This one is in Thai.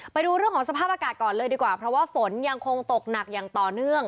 ไปดูเรื่องของสภาพอากาศก่อนเลยดีกว่าเพราะว่าฝนยังคงตกหนักอย่างต่อเนื่อง